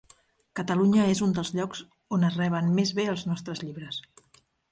Catalunya és un dels llocs on es reben més bé els nostres llibres.